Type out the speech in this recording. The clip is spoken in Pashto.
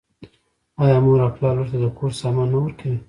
آیا مور او پلار لور ته د کور سامان نه ورکوي؟